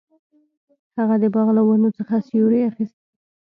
هغه د باغ له ونو څخه سیوری اخیست.